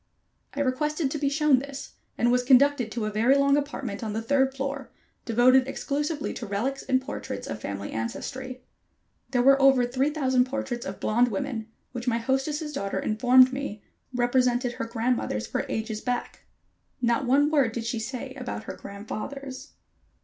I requested to be shown this, and was conducted to a very long apartment on the third floor, devoted exclusively to relics and portraits of family ancestry. There were over three thousand portraits of blond women, which my hostess' daughter informed me represented her grandmothers for ages back. Not one word did she say about her grandfathers.